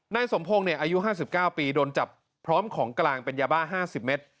นายสมพงศ์อายุ๕๙ปีโดนจับพร้อมของกลางเป็นยาบ้า๕๐เมตร